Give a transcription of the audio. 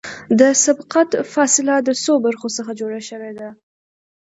د سبقت فاصله د څو برخو څخه جوړه شوې ده